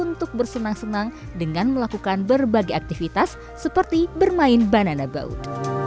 untuk bersenang senang dengan melakukan berbagai aktivitas seperti bermain banana boat